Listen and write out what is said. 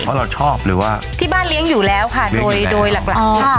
เพราะเราชอบเลยว่าที่บ้านเลี้ยงอยู่แล้วค่ะโดยโดยหลักหลักค่ะ